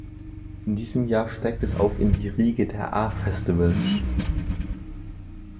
In diesem Jahr steigt es auf in die Riege der A-Festivals.